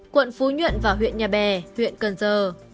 quận phú nhuận và huyện nhà bè huyện cần giờ